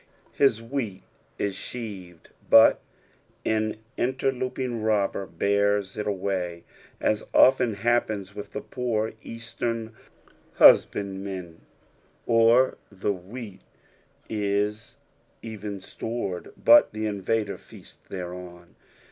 His wheat is sbeuved, but an inter loping robber bears it away— as often happens with the poor Eastern husband' man ; or, tho wheat is even stored, but the invader feasts thereon.